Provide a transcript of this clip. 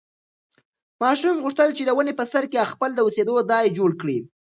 ماشوم غوښتل چې د ونې په سر کې خپله د اوسېدو ځای جوړ کړي.